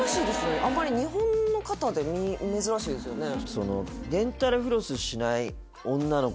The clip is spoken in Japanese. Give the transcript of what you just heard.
あんまり日本の方で珍しいですよねああ